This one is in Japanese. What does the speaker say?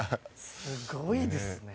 すごいですね。